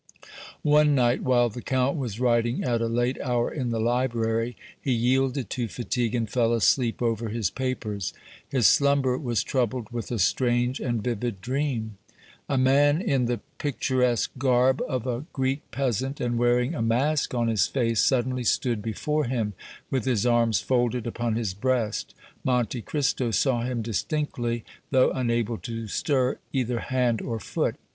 One night, while the Count was writing at a late hour in the library, he yielded to fatigue and fell asleep over his papers. His slumber was troubled with a strange and vivid dream. A man in the picturesque garb of a Greek peasant, and wearing a mask on his face, suddenly stood before him, with his arms folded upon his breast. Monte Cristo saw him distinctly, though unable to stir either hand or foot.